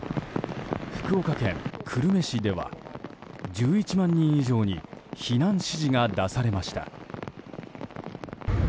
福岡県久留米市では１１万人以上に避難指示が出されました。